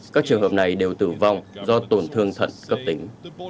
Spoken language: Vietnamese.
các trường hợp này đều tử vong do tổn thương thận cấp tính